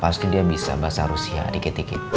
pasti dia bisa bahasa rusia dikit dikit